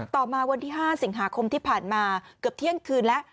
ต่อมาวันที่๕สิงหาคมที่ผ่านมาเกือบเที่ยงคืนแล้ว